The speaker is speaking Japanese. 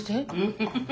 フフフ。